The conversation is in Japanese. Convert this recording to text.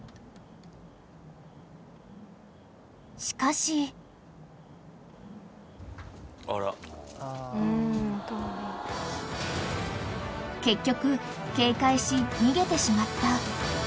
［しかし］［結局警戒し逃げてしまった］